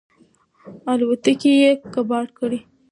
الوتکې یې کباړ کړې.